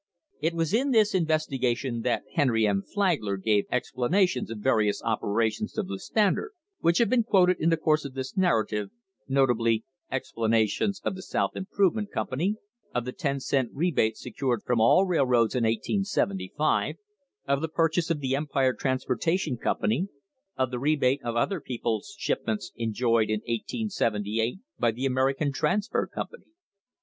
It was in this investigation that Henry M. Flagler gave THE BREAKING UP OF THE TRUST explanations of various operations of the Standard, which have been quoted in the course of this narrative, notably ex planations of the South Improvement Company, of the ten cent rebate secured from all the railroads in 1875, of the pur chase of the Empire Transportation Company, of the rebate on other people's shipments enjoyed in 1878 by the American Transfer Company.